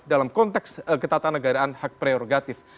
dalam konteks ketatanegaraan hak prerogatif